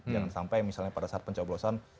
jangan sampai misalnya pada saat pencoblosan